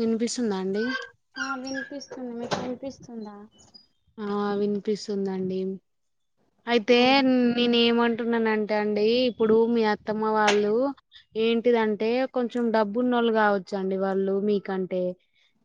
వినిపిస్తుందా అండి ఆ వినిపిస్తుంది మీకు వినిపిస్తుందా ఆ వినిపిస్తుందండి ఆ అయితే నేను ఏమం టున్నానంటే అండి ఇప్పుడు మీ అత్తమ్మ వాళ్ళు ఏంటిదంటే కొంచెం డబ్బున్నోళ్ళు కావచ్చండి వాళ్ళు మీకంటే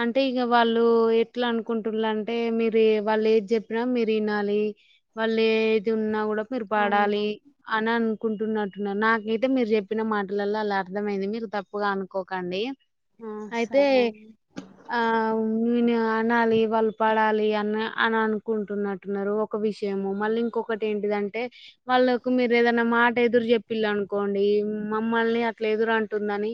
అంటే ఇగ వాళ్ళు ఎట్లా అనుకుంటుళ్ళు అంటే మీరు వాళ్ళు ఏది చెప్పినా మీరు వినాలి వాళ్ళు ఏది ఉన్నా కూడా మీరు అవునా పడాలి అని అను కుంటున్నట్టున్నారు నాకైతే మీరు చెప్పిన మాటలల అలా అర్థమైంది మీరు తప్పుగా అనుకోకండి ఆ అయితే సరే అండి ఆ నిను అనాలి వాళ్ళు పడాలి అని అనుకుంటున్నట్టున్నారు ఒక విషయం మళ్ళీ ఇంకొకటి ఏంటిదంటే వాళ్ళకి మీరు ఏదైనా మాట ఎదురు చెప్పిళనుకోండి మమ్మల్ని అట్లా ఎదురు అంటుందని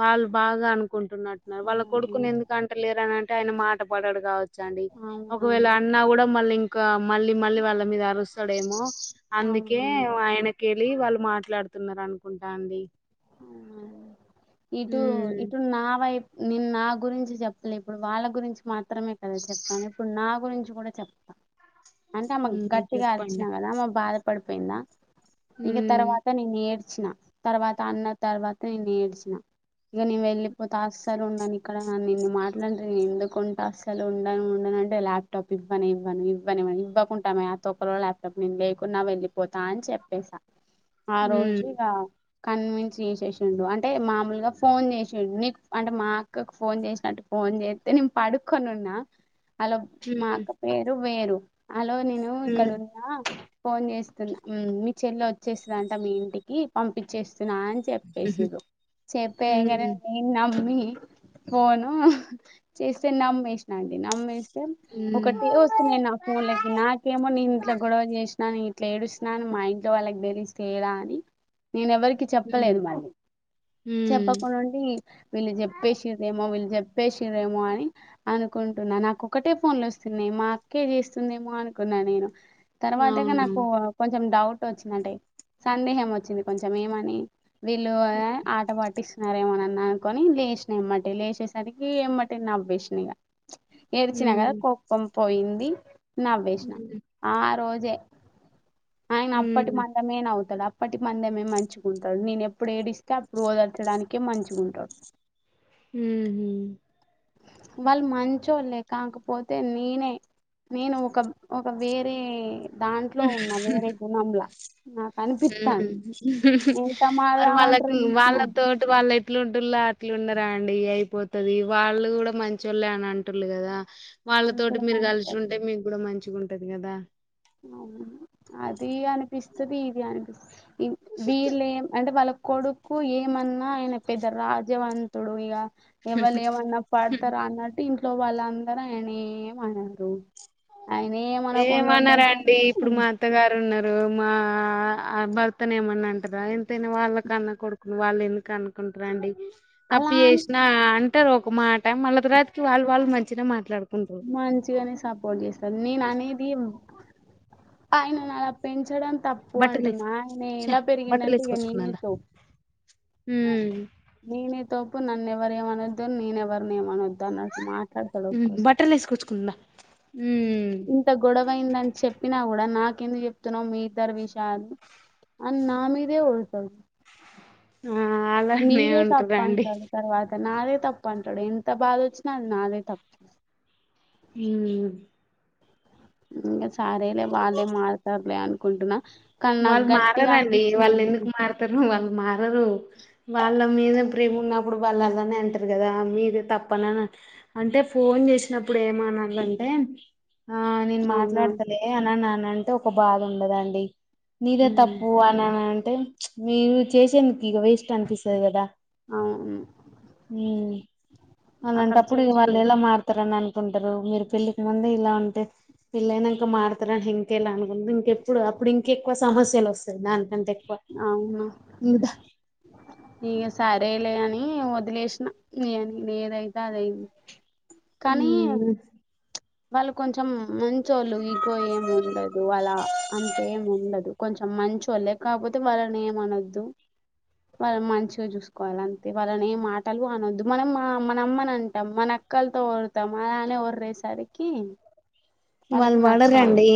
వాళ్ళు బాగా అను కుంటున్నట్టున్నారు వాళ్ళ అవును కొడుకుని ఎందుకు అంటలేరనింటే ఆయన మాట పడడు కావ చండి ఒకవేళ అవునండి అన్నా కూడా మళ్ళీ ఇంకా మళ్ళీ మళ్ళీ వాళ్ళ మీద అరుస్తాడేమో అందుకే అవునండి ఆయనక కేళ్ళి వాళ్ళు మాట్లాడుతున్నారు అనుకుంటా అండి ఇటు హ్మ్ ఇటు నా వైపు నేను నా గురించి చెప్పలే ఇప్పుడు వాళ్ళ గురించి మాత్రమే కదా చెప్పాను ఇప్పుడు నా గురించి చి గూడ చెప్తా అంటే ఆమే హ్మ్ గట్టిగా చెప్పండి అరిచినా కదా ఆమె బాధపడి పోయిందా ఇగ హ్మ్ తర్వాత నేను నేడ్చిన తర్వాత అన్న తర్వాత నేను నేడ్చిన ఇక నేను వెళ్ళిపోతే అసలు ఉండని ఇక్కడ ననిన్నీ మాటలు అంటే నేను ఎందుకు ఉంటా అసలు ఉండను ఉండను అంటే ల్యాప్టాప్ ఇవ్వని ఇవ్వను ఇవ్వని ఇవ్వకుంటా మ ఆ తొక్కలో ల్యాప్టాప్ నేను లేకున్నా వెళ్లిపోతా అని చెప్పేసా ఆ హ్మ్ రోజు ఇగ కన్విన్స్ చేసేసిండు అం అంటే మామూలుగా ఫోన్ చేసిండు నీకు అంటే మా అక్కకు ఫోన్ చేసినట్టు ఫోన్ చేస్తే నేను పడుక్కొని అలో హ్మ్ మాక్క పేరు వేరు అలో నేను ఇక్కడ హ్మ్ ఉన్నా ఫోన్ చేస్తున్నా మీ చెల్లె వచ్చేసిందంట మీ ఇంటికి పంపించేస్ స్తున్న అని హుహు చెప్పేసిరు హ్మ్ చెప్పేయంగానే హ్మ్ నేను నా నమ్మి ఫోను చేస్తే నమ్మేసినండి నమ్మే తెం ఒకటే వస్తున్నాయి నాకు ఫోన్లకి నాకేమో నేను ఇట్ల గొడవ చేసినా నేను పిఇట్లా ఏడుస్తునా అని మా ఇంట్లో వాళ్ళకి తెలిస్తే ఎలా అని నేను ఎవరికి హ్మ్ చెప్పలేదు మళ్ళీ హ్మ్ చెప్పకుండా ఉండి వీళ్ళు చెప్పేసిర్ ఏమో వీళ్ళు చెప్పే షిన్రేమో అని అనుకుంటున్నా నాకొక్కటే ఫోన్లు వస్తున్నాయి మా అక్కే చేస్తుందేమో అనుకున్నా నేను తర్వాతగా అవునవును నాకు కొంచెం డౌట్ వచ్చిందంటే సందేహం వచ్చింది కొంచెం ఏమని వీళ్ళు ఏ ఆట పటిస్తున్నారేమోనన్ ననుకోని లేషినయమ్మటి లేషేసరికి ఎమ్మటే నవ్వేష్నిగ ఏడిచినా గద హ్మ్ కోప్పం పోయింది నవ్వేష్న హ్మ్ ఆ రోజు ఆయన అప్పటి హ్మ్ మందమే నవ్వుతడు అప్పటి మందమే మంచి గుంటాడు నేను ఎప్పుడు ఏడిస్తే అప్పుడు ఓదార్చడానికే మంచి గుంటాడు ఊహు వాళ్ళు మంచోళ్లేే కాకపోతే నీనే నేను ఒక ఒక వేరే దాంట్లో హ్మ్. ఉన్నా వేరే గుణంలా నాకు అనిపిత్తాంది ఎంత మరి మారదామని ట్రై వాళ్ళకి చేసినా వాళ్ళతోటి వాళ్ళె ట్లుంటుల్ల అట్లునరా అండి ఇగ అయిపోతుది వాళ్ళు గుడా మంచోళ్ళే అనంటుల్లు గదా వాళ్ళు వాళ్ళతోటి కూడా మీరు మంచోళ్ళే గలిషుంటే మీగ్గుడ మంచి గుంటది గదా అది అనిపిస్తుది ఇది అనిపిస్త్ వీళ్ళేం అంటేవాళ్ల కొడుకు ఏమన్నా ఆయన పెద్ద రాజవంతుడు ఇగ ఎవ్వళేమన్నా పాడ్తారా అన్నట్టు వాళ్ళందరూ ఆయనేమనరు ఆయనేమనకుండా ఉండే ఏమనరండి ఇప్పుడు మా అత్తగారున్నరు మా భర్తనేమన్నా అంటరా వాళ్ళ కన్న కొడుకును వాళ్ళెందుకు అనుకుంటరా అండి అలా తప్పు అని చేషినా ఒక మాట మళ్ళ తరాత్కి వాళ్ళ్ వాళ్ళు మంచినే మాట్లాడు మంచిగానే సపోర్ట్ చేస్తాను నేననేది ఆయననలా పెంచడం తప్పు బట్టలు వేసుకో అంటున్నా ఆయన చ ఎలా పెరిగిండంటే ఇక నేనే తో మ్మ్ నీనే తోపు నన్నెవరేమనద్దు నీనెవర్నేమనద్ద్ దనట్ మాట్లాడతడొక్కోస బట్టలు వేసుకొచ్చుకుందా ఇంత గొడవైందని చెప్ప్ చెప్పినా గూడ నాకెందుకు చెప్తున్నావు మీ ఇద్దరు విషయాలు అని నా మీదే ఆ అలానే నీదే ఉంటారండి తప్పంటారు తర్వాత నాదే తప్పంటాడు ఎంత బాధొచ్చినా అది నాదే తప్పు మ్మ్ ఇంగ సారేలే వాల్లే మారుతారులే అన్కుంటునా వాళ్ళు మారరండి అందుకు వాళ్ళెందుకు మారతరు వాళ్ళు మారరు వాళ్ళు మీద ప్రేమున్నప్పుడు వాళ్ళళానే అంటరు గదా మీదే తప్పనని అంటే ఫోన్ చేసినప్పు ప్పుడు ఏమనాలంటే ఆ నేను అవునా మాట్లాడతలే అననానంటే ఒక బాధుండదండి నీదే ఉమ్ తప్పు అని అ అంటే మీరు చేసేందుకు ఇగ వేస్ట్ అనిపిస్తది గదా అవును అక్కడ అలాంటప్పుడు ఇగ చేసిరు వాళ్ళెలా మారుతారని అనుకుంటరు మీరు పెళ్లికి ముందే ఇలా ఉంటే పెళ్లైనంక మాడతారని ఇంకేలా అనుకుంట ఇంకెప్పుడు అప్పుడు ఇంకెక్కువ సమస్యలు వస్తాయి దానికంటే ఎక్కువ అవును ఇందా ఈగ సరేలే అని వదిలేష్న నని ఏదైతే అదైంది కానీ ఉమ్ వాళ్ళు కొంచెం మంచోళ్ళు ఇగో ఏముండదు వాళ్ళ అంతేముండదు కొంచెం మంచోళ్లే కాకపోతే వాళ్ళనేమనద్దు వాళ్ళు మంచిగా చూసుకోవాలి అంతే వాళ్ళని ఏ మాటలు అనొద్దు మనం మా మన అమ్మని అంటాం మన అక్కల్తో వర్రుతాం అలానే వర్రేసరికి వాళ్ళు వడరండి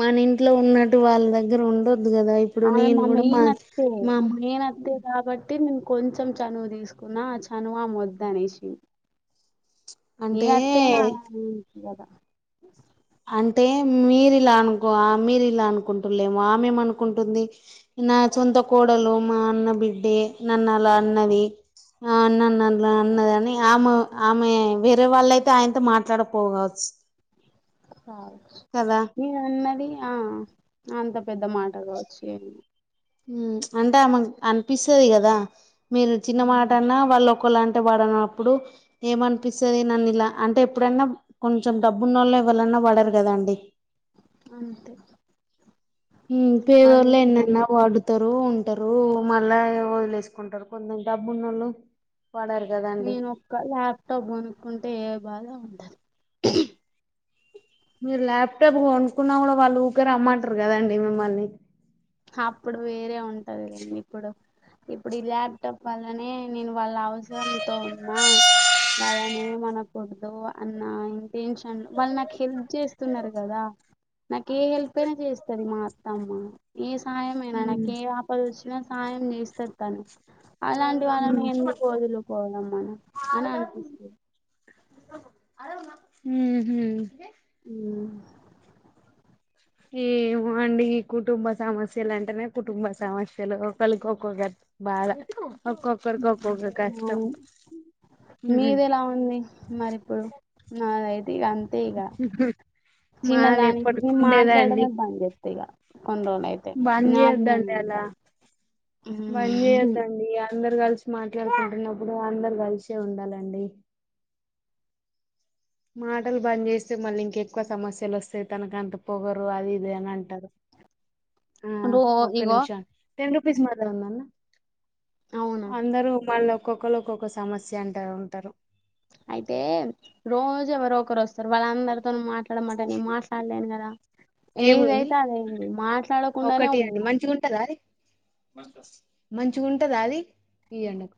మన ఇంట్లో ఉన్నట్టు వాళ్ళ దగ్గర ఉండొ ఆమె మా మేన అత్తే మా మేన అత్తే కాబట్టి నేన్ కొంచెం చనువు తీసుకున్నా ఆ చనువు ఆమె వద్దు అనేసి ఏ అంటే అతైనా అంతే గదా అంటే మీరి ఇలా అనుకో మీరు ఇలా అనుకుంటుల్లేమో ఆ మేమి అనుకుంటుంది. నా సొంత కోడలు మా అన్న బిడ్డే నన్ను అలా అన్నది ఆ నన్ నన్ ఇలా అవును, అన్నదని ఆమ ఆమె వేరే వాళ్ళైతే ఆయనతో మాట్లాడకపోగవచ్చు నేను అన్నది ఆ అంత పెద్ద మాట కావచ్చు ఏమి ఉమ్ ప్చ్ అంటే ఆమెకు అనిపిస్సది కదా మీరు చిన్న మాట ఉమ్ అన్నా వాళ్ళు కోళ్ళంటే వడనప్పుడు ఏమనిపిస్సది నన్ని ఇలా అంటే ఎప్పుడన్నా కొంచెం డబ్బున్నోళ్ళే ఎవ్వలన్నా పడరు కదా అండి అంతే ఉమ్ అదే పేదోళ్లే నిజమే ఎన్నన్నా వాడుత రు ఉంటారు మళ్ళా వదిలేసుకుంటారు కొందరు డబ్బు ఉన్నోళ్ళు నేను ఒక్క ల్యాప్టాప్ కొనుక్కుంటే ఏ బాధ ఉండదు మీరు ల్యాప్టాప్ కొనుక్కున్నా కూడా వాళ్ళు ఊకే రమ్మంటారు కదండి మిమ్మల్ని హప్పుడు వేరే ఉంటాదిలేండి ఇప్పుడు ఇప్పుడు ఈ ల్యాప్టాప్ వల్లనే నేను వాళ్ళ అవసరంతో ఉన్నా వాళ్ళని ఏం అనకూడదు అన్న ఇంటెన్షన్ వాళ్ళు నాకు హెల్ప్ జేస్తున్నారు కదా. నాకి ఏ హెల్ప్ అయినా చేస్తది మా అత్తమ్మ ఏ సాహాయం అయినా నాకు మ్మ్ ఏ ఆపద వచ్చినా సహాయం చేస్తారు కానీ అలాంటి వాళ్ళని ఎందుకు వదులుకోవడం మనం అని అనిపిస్తది ఉ హుం ఉ ఏమో అండి కుటుంబ సమస్యలు అంటేనే కుటుంబ సమస్యలు ఒకళికి ఒకళు గట్ బాగా ఒక్కక్కరికి ఒక్కొక్క కష్టం అవును మీది ఎలా ఉంది మరిప్పుడు నాదై తే ఇగ అంతే ఇగ మాది చిన్నదానికి ఎప్పటికి నేను ఉండేదండి మాట్లాడమే బంద్ చేత్తా ఇగ కొన్ని రోజులు అయితే బంద్ నాకు నేను చేయొద్దండి అలా ఇంకా బంద్ హ్మ్ చేయొద్దండి అ అందరు కలిసి మాట్లాడుకుంటున్నప్పుడు అందరు కలిసే ఉండాలండి మాటలు బంద్ చేస్తే మళ్ళీ ఇంకెక్కువ సమస్యలు వస్తాయి తనకు అంత పొగరు అది ఇది అని అంటారు ఆ రో ఒక్క ఇగో నిమిషం టెన్ రుపీస్ మజా ఉందాన్న అవును అందరూ మళ్ళ ఒక్కొక్కళు ఒక్కొక్క సమస్య అంట ఉంటరు అయితే రోజు ఎవరో ఒకరు వస్తారు వాళ్ళందరు తోని మాట్లాడమంటే నేను మాట్లాడలేను కదా ఏముంది ఏదైతే అదైంది మాట్లాడకుండానే ఒకటి ఇయ్యండి ఉంటా మంచిగుంటదా అది మంచిగుంటదా అది ఈయండి ఒక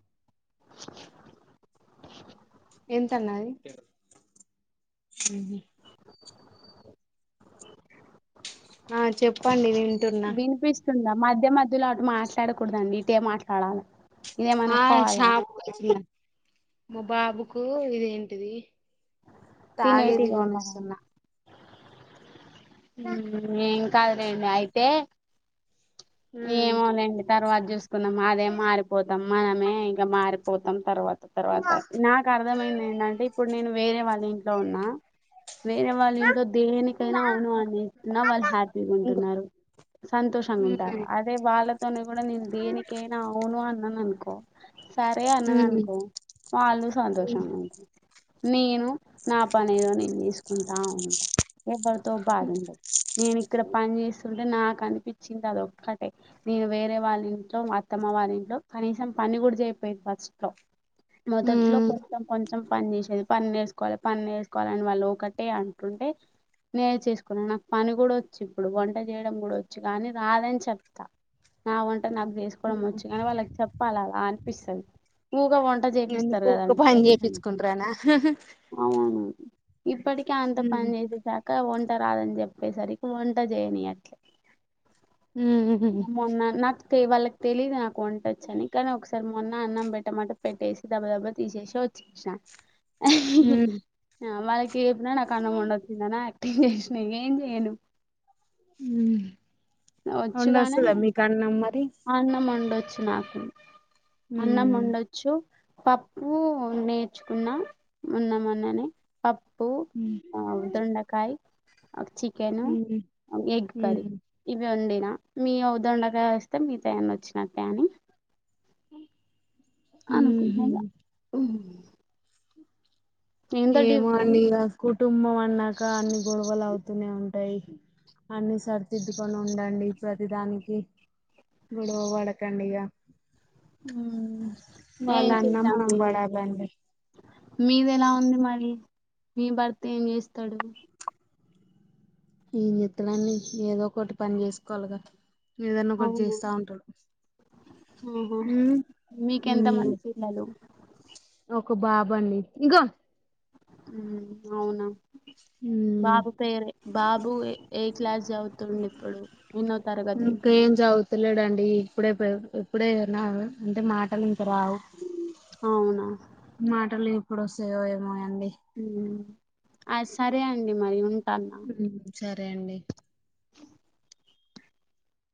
ఎంత అన్నా అది ఉహు ఆ చెప్పండి వింటున్నా స్తుందా మధ్య మధ్యలో అటు మాట్లాడకూదండి ఇటే మాట్లాడాలా ఆ షాపుకొచ్చేసిన మా బాబుకు ఇదేంటిది తాగేది తినేటివి వండాలా కొనిస్సున్నా ఏం కాదు రండి అయితే మ్మ్. ఏమోలేండి తర్వాత చూసుకున్నాం అదే మారిపోతాం మనమే ఇంకా మారిపోతాం తర్వాత తర్వాత నాకు అర్థమైంది ఏంటంటే ఇప్పుడు నేను వేరే వాళ్ళ ఇంట్లో ఉన్నా వేరే వాళ్ళు ఇంట్లో దేనికైనా అవును అని ఇస్తున్నా వాళ్ళు హ్యాపీగా ఇంకో ఉంటున్నారు సంతోషంగా ఉంటారా మ్మ్. అదే వాళ్ళతోనే కూడా నేను దేనికేనా అవును అన్నాను అనుకో సరే అన్నాను అనుకో మ్మ్. వాళ్ళు సంతోషం అనుకో నేను నా పని ఏదో నేను వేసుకుంటా ఉన్ ఎవరితో బాధ ఉండదు నేను ఇక్కడ పని చేస్తుంటే నాకు అనిపించింది అదో నేను వేరే వాళ్ళ ఇంట్లో మా అత్తమ్మ వాళ్ళ ఇంట్లో కనీసం పని కూడా చేయక పోయేది ఫస్ట్ లో మొదట్లో మ్మ్. కొంచెం కొంచెం పని చేసేది పని నేరుసుకోవాలే పని నేరుసుకోవాలని వాళ్ళు ఒకటే అంటుంటే నేర్చేసుకున్నాను నాకు పని కూడా వచ్చి ఇప్పుడు వంట చేయడం కూడా వచ్చి కానీ రాదని చెప్ ప్తా నా వంట నాకు చేసుకోవడం వచ్చు కానీ వాళ్ళకి చెప్పాలి అలా అనిపిస్తుంది నువ్ వంట చేపిస్తారు ఎందుకు ఊక కదండి పని వచ్చానికి చేపిచ్చుకుంటారనా అవును ఇప్పటికే అంత పని చేసేసాక వంట రాదని చెప్ప ప్పే సరికి వంట జయనిట్లే ఉహు వాళ్ళకి తెలిదు నాకు వంటొచ్చని కానీ ఒక సారి మొన్న అన్నం పెట్టమంటే పెట్టేసి దబ్బ దబ్బ తీసేసి వచ్చేసిన ఆ వాళ్ళకి చెప్పిన నాకు అన్నం వండొచ్చిదని తినేసిన ఏం చేయను వచ్చుగానే వండొస్తదా మీకు అన్నం మరి ఆ అన్నం వండొచ్చు వచ్చు నాకు అన్నం ఉమ్ వండొచ్చు పప్పు నేర్చుకున్నా మొన్న మొన్ననే పప్పు ఉమ్ ఆ దొండకాయ్ ఒక చికెన్ ఒక ఎగ్ కర్రీ ఉమ్ ఇవి వన్డినా మీ దొండకాయ వస్తే మీతోన్న వచ్చినట్టే అనీ అనుకున్న ఇగ ఉమ్ మ్మ్ డిఫ ఏమో అండి ఇగ కుటుంబం అన్నాక అన్ని గొడవలు అవుతూనే ఉంటాయి అన్ని సరిదిద్దుకొని ఉండండి ప్రతిదానికి గోడవ పడకండిగా ఉమ్ ఏం వాళ్ళు అన్నా మనం చేద్దాంలేండి పడాలండి మీది ఎలా ఉంది మరి మీ భర్త ఏం చేస్తాడు ఏం జెత్తడండీ ఏదో ఒకటి పని చేసుకోవాలిగా ఏదనా ఒకటి చేస్తా ఉంటారు ఆహ మీకెంత ఉమ్ మంది పిల్లలు ఒక బాబు అండి అవునా ఉమ్ బాబు పేరు బాబు ఏ క్లాస్ చదువుతుండు ఇప్పుడు ఎన్నో తరగతి వెళ్లడండి ఇప్పుడే ఇప్పుడేనా అంటే మాటలు ఇంకా రావు అవునా ఇప్పుడస్తయో ఏమో అండి అ సరే అండి మరి ఉంటానా ఉమ్ సరే అండి [inaudible]